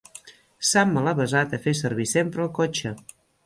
S'ha malavesat a fer servir sempre el cotxe.